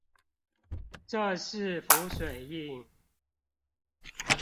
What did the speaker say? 這是浮水印